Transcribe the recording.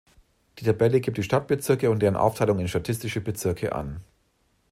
Die Tabelle gibt die Stadtbezirke und deren Aufteilung in statistische Bezirke an.